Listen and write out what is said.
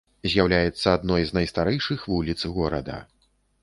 З'яўляецца адной з найстарэйшых вуліц горада.